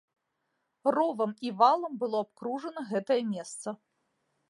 Ровам і валам было абкружана гэтае месца.